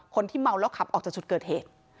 คนที่เมาแล้วขับออกจากจุดเกิดเหตุ